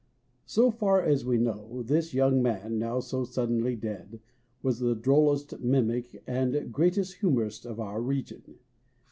SO FAR as we know, this young man, now so suddenly dead, was the drollest mimic and gentlest humorist of our region.